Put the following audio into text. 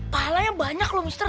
malah yang banyak loh mr